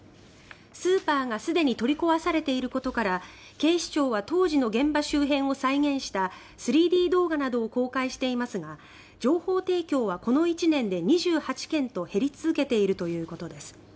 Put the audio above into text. スーパーがすでに取り壊されていることから警視庁は当時の現場周辺を再現した３Ｄ動画などを公開していますが情報提供はこの１年で２８件と減り続けているということです。